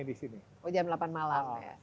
di sini oh jam delapan malam ya